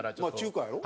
中華やろ？